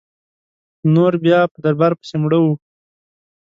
نور بیا په دربار پسي مړه وه.